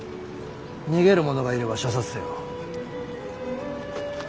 逃げる者がいれば射殺せよ。